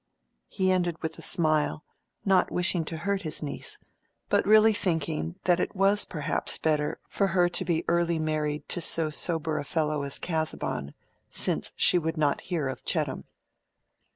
He ended with a smile, not wishing to hurt his niece, but really thinking that it was perhaps better for her to be early married to so sober a fellow as Casaubon, since she would not hear of Chettam.